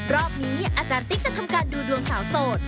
รอบนี้อาจารย์ติ๊กจะทำการดูดวงสาวโสด